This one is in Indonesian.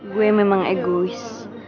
gue memang egois